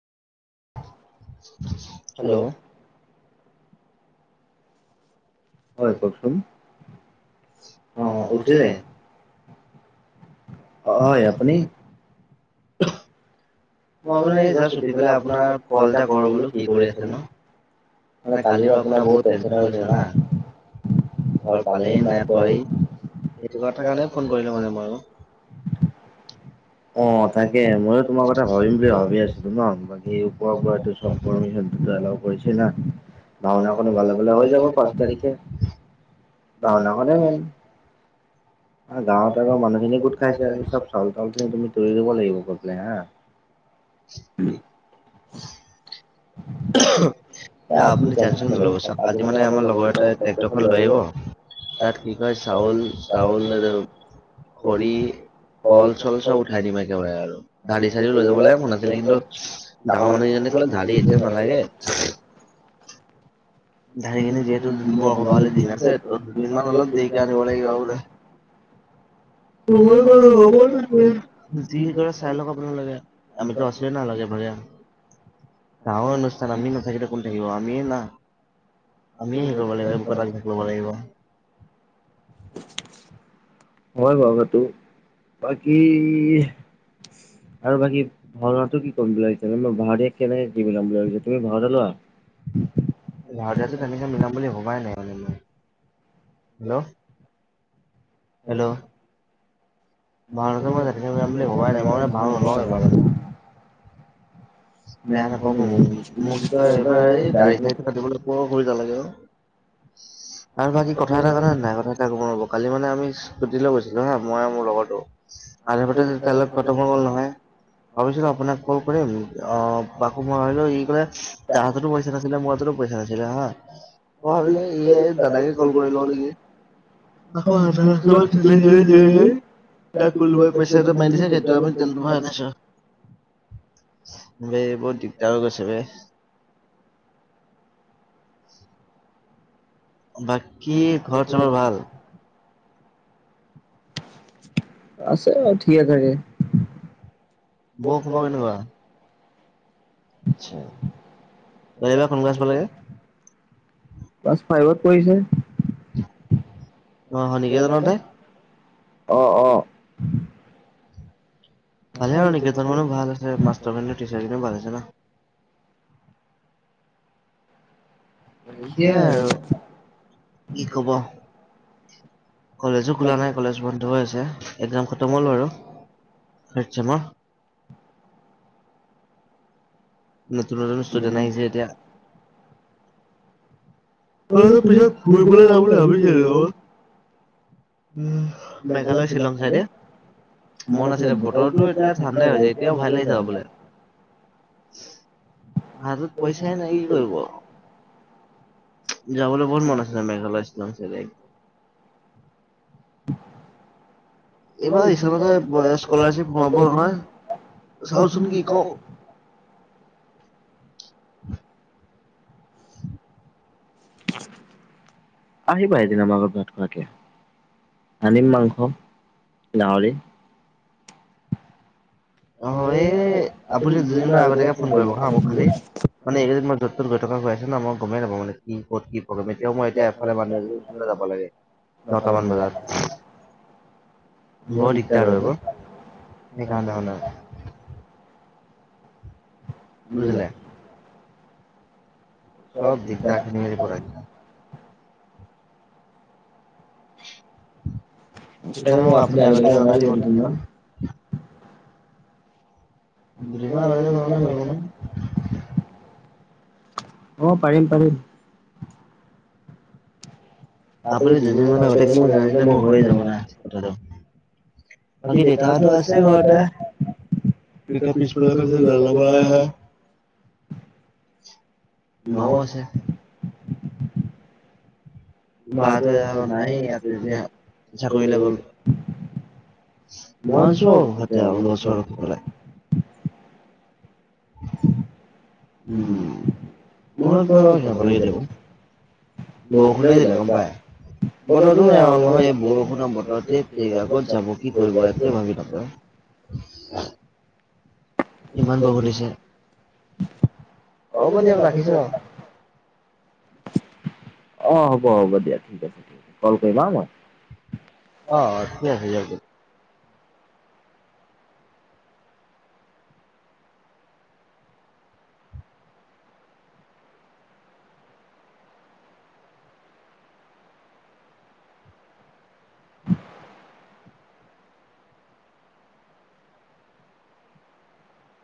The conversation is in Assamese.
হেল্ল'। হয় কওকচোন অ উঠিলে। অ হয় আপুনি। মই বো যাছ উঠি পেলাই আপোনাৰ কল এটা কৰো বোলো কি কৰি আছে ন। মানে কালিও আপোনাৰ বহুত টেনশন হৈছিলে না। ঘৰ পালেহি নাই পহি। সেইটোমাৰ কাৰণে ফোন কৰিলো ম। অ তাকে ময়ো তোমাৰ কথা। ভাবিম বুলি ভাবি আছিলো ন, বাকী উপ পৰাটো চব পাৰিটো এলাও কৰিছে না। ভাওনা এখনো ভালে ভালে হৈ যাব পাঁচ তাৰিখে। ভাওনা খনে মেন। গাঁৱত আৰু মানুহখিনিয়ে গোট খাইছে আৰু চব চাউল তাউল খিনি তুমি তৈৰি দিব লাগিব গ' পাই হা। উম। এ, আপুনি টেনচন নল'ব চাওক আজি মানে আমাৰ লগৰ এটা ট্ৰেক্টৰ খন লৈ আহিব। তাত কি কয় চাউল, চাউল খৰি। কল চল চব উঠাই দিম একেবাৰে আৰু, গাড়ী চাৰিও লৈ যাব লাগে মন আাছিলে কিন্তু ডাঙৰ মানুহ এজন। লে গাড়ী এতিয়া নালাগে। খিনি যিহেতু বৰসবাহলে দিন আছে ত দুদিনমান অলপ দেৰিকে আনিব লাগিব বোলে। [unintelligible] যি কৰে চাই লওক আপোনালোকে আমিতো আছো না লগে ভাগে। গাৱ অনুষ্ঠান আমি নাথাকিলে কোন থাকিব আমি না। আমিয়ে হে কৰিব লাগিব লাগিব। হয় বাৰু সেটো, বাকী। আৰু বাকী ভাওনাটো কি কম বুলি ভাবিছে ভাওনা কেনেকে কি পাম বুলি ভাবিছে তুমি ভাতে লোৱা। [unintelligible] ভাওনাতে তেনেকে মিলাম বুলি ভবাই নাই মানে মই হেল্ল'। হেল্ল'। মালটো গ হ মাল হ য। বেয়া নাপাব মোক মোক এইবাৰ এই দাড়ী জাড়ীবোৰ কাতিবলে। বৰ অসুবিধা লাগে অ আৰু বাকী কথা এটা জানে নাই কথা এটা কম ৰব কালি মানে আমি স্কুটি লৈ গৈছিলো হা মই আৰু মোৰ লগতো আধা বাটতে তেল খতম হৈ গল নহয় ভাবিছোঁ আপোনাক কল কৰিম অ আকো মই আহিলো ই কলে তাৰ হাততো পইচা নাছিলে মোৰ হাততো পইচা নাছিলে হা মই ভাবিলো ইয়ে দাদাকে কল কৰি লওঁ নেকি আকৌ আধা ৰাস্তাপা ঠেলি ঠেলি ঠেলি ঠেলি কোনোবাই পইচা এটা মাৰি দিছে সেইটো আমি তেল আহিছোঁ বে বহুত দিগদাৰ হৈ গৈছে বে [inaudible] বাকী ঘৰত চবৰে ভাল। আছে অ ঠিকে থাকে? বৌ খবৰ কেনেকুৱা? ক্লাছ ফাইভত। পঢ়িছে? অ হয় নেকেইটনতে? অ অ ভালেই আৰু নিকেতনৰো মানে ভাল আছে মাষ্টৰ খিনিও টিচাৰ খিনিও ভাল আছে ন। হে আৰু কি কবা। কলেজো খোলা নাই কলেজ বন্ধ হৈ আছে একজাম খতম হল বাৰু। থাৰ্ডছেমৰ? নতুন নতুন ষ্টুডেন্ট আহিছে এতিয়া। পিছত ফুৰিবলে যাম বুলি ভাবিছিলো? উম মেঘালয় শ্বিলং চাইডে। মন আছিলে বতৰতো এতিয়া ঠাণ্ডাই হৈছে এতিয়াও ভালই যাবলে। হাতত পইচাই নাই কি কৰিব। যাবলৈ বহুত মন আছে মেঘালয় চিলং চাইদে। এইবাৰ ইছান হতৰ স্কলাৰশ্বিপ সোমাব নহয়। চাওচুন কি কওঁ। [unintelligible] আহিবা এদিনা আমাৰ ঘৰত ভাত। তাকে আনিম মাংস গাহৰি। অ এই আপুনি দুদিনমান আগতীয়াকে ফোন কৰিব হা মোক খালি। মানে একেইদিন মই যত তত গৈ থকা হৈ আছ ন মই গমাই নাপাওঁ মানে কি ক'ত কি। এতিয়াও মই এতিয়া এফালে মানুহএজনী ওচৰলে যাব লাগে দশটা মান বজাত। বৰ দিগদাৰ হয় ক সেইকাৰণে মানে। বুজিলা? চব দিগদাৰ খিনিৰে পৰা। সেইকাৰণে মই আপুনি আগতিয়াকে জনাই দিব তিন দিনমান। [inaudible] অ পাৰিম পাৰিম। আপুনি দুদিনমান আগতীয়াকে মোক জনাই দিলে মোৰ হয়ে যাব না কথাটো? বাকী দেউতাহতো আছে ঘৰতে। তেতিয়া পিছফালে পা জালা বনাই আছে? মাও আছে। বা তো নাই ইয়াত এতিয়া চাকৰিলে গল। মই আছো আৰু ঘৰতে ঘৰ চৰ ৰখিবলে। [inaudible] উম মনত পৰে আক চাবলে কেতিয়াবা? বৰষুণে দিলে গম পাই। বতৰতো বেয়া হ'ল নহয় এই বৰষুণৰ বতৰতে কত যাব কি কৰিব একুৱাই ভাবি নাপায়? [unintelligible] ইমান বৰষুণ দিছে। হ'ব দিয়ক ৰাখিছো? অ হ'ব হ'ব দিয়া ঠিক আছে ঠিক আছে ক'ল কৰিম হা মই। অ ঠিক আছে দিয়ক দিয়ক।